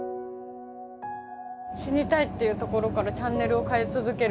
死にたいっていうところからチャンネルを変え続ける。